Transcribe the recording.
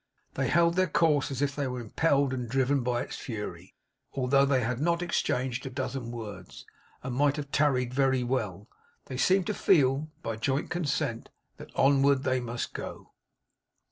They held their course as if they were impelled and driven by its fury. Although they had not exchanged a dozen words, and might have tarried very well, they seemed to feel, by joint consent, that onward they must go.